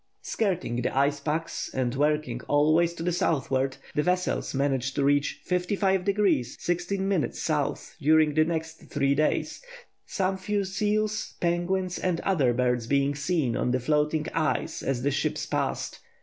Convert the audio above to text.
Skirting the ice packs and working always to the southward, the vessels managed to reach 55° 16' S. during the next three days, some few seals, penguins, and other birds being seen on the floating ice as the ships passed.